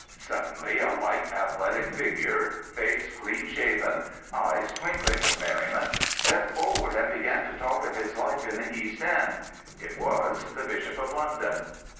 Suddenly a light, athletic figure, face clean shaven, eyes twinkling with merriment, stepped forward and began to talk of his life in the East End. It was the Bishop of London.